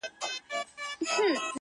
له ازله د خپل ځان په وینو رنګ یو٫